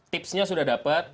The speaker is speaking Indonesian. tipsnya sudah dapat